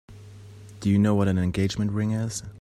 Do you know what an engagement ring is?